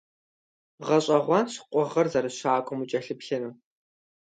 ГъэщӀэгъуэнщ къугъыр зэрыщакӀуэм укӀэлъыплъыну.